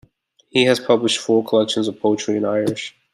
He has published four collections of poetry in Irish.